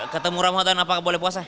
ketemu ramah ramah apa boleh puasa